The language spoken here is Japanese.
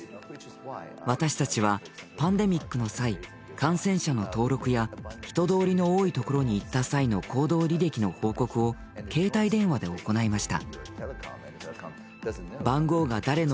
私たちはパンデミックの際感染者の登録や人通りの多いところに行った際の行動履歴の報告を携帯電話で行いました。